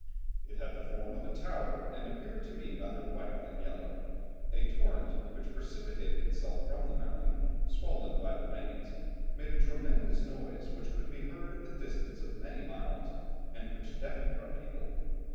"It had the form of a tower, and appeared to me rather white than yellow. A torrent which precipitated itself from the mountain, swollen by the rains, made a tremendous noise, which could be heard at the distance of many miles, and which deafened our people.